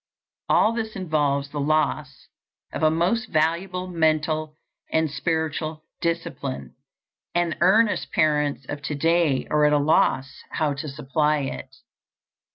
All this involves the loss of a most valuable mental and spiritual discipline, and earnest parents of to day are at a loss how to supply it.